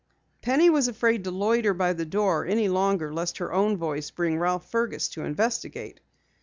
Penny was afraid to loiter by the door any longer lest her own voice bring Ralph Fergus to investigate.